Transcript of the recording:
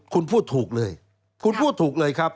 คุณพูดถูกเลยคุณพูดถูกเลยครับ